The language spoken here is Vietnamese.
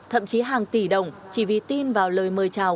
thậm chí hàng tỷ đồng chỉ vì tin vào lời mời chào